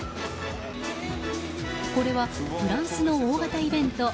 これはフランスの大型イベント